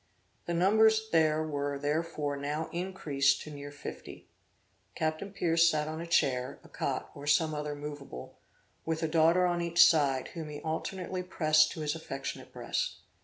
The numbers there were therefore now increased to near fifty. Capt. Pierce sat on a chair, a cot or some other moveable, with a daughter on each side, whom he alternately pressed to his affectionate breast.